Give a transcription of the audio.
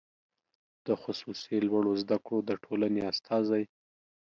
د خصوصي لوړو زده کړو د ټولنې استازی